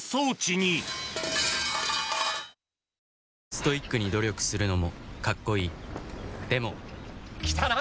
ストイックに努力するのもカッコいいでも来たな！